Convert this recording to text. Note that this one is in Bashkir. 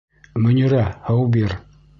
Мөнирә, һыу бир!